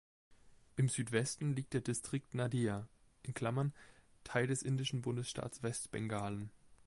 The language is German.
Im Südwesten liegt der Distrikt Nadia (Teil des indischen Bundesstaat Westbengalen).